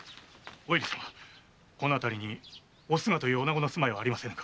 この辺りに「おすが」というおなごの住まいはありませぬか？